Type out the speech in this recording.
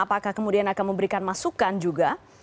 apakah kemudian akan memberikan masukan juga